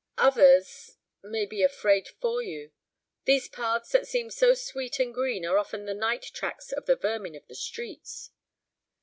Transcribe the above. "Others—may be afraid for you. These paths that seem so sweet and green are often the night tracks of the vermin of the streets."